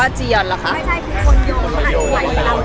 อันนี้คือ